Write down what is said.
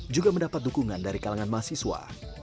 juga mendapat dukungan dari kalangan mahasiswa